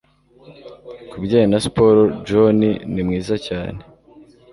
Ku bijyanye na siporo John ni mwiza cyane